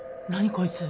こいつ。